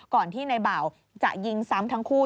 ก่อนที่ในเบาจะยิงซ้ำทั้งคู่